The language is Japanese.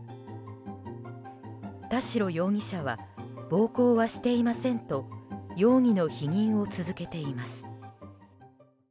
田代容疑者は暴行はしていませんと容疑の否認を続けています。